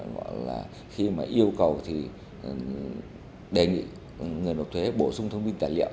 gọi là khi mà yêu cầu thì đề nghị người nộp thuế bổ sung thông tin tài liệu